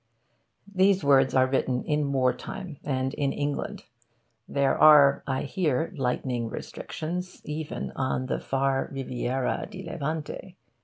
These words are written in war time and in England. There are, I hear, 'lighting restrictions' even on the far Riviera di Levante.